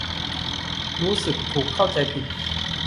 รู้สึกถูกเข้าใจผิด